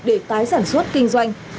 để tái sản xuất kinh doanh